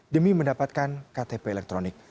demi mendapatkan ktp elektronik